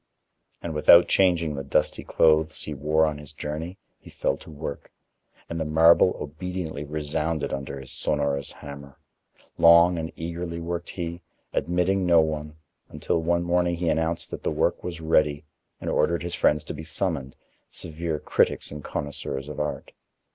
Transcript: And without changing the dusty clothes he wore on his journey, he fell to work, and the marble obediently resounded under his sonorous hammer. Long and eagerly worked he, admitting no one, until one morning he announced that the work was ready and ordered his friends to be summoned, severe critics and connoisseurs of art.